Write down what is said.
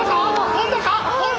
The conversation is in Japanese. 跳んだか？